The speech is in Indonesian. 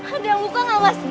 ada yang luka gak mas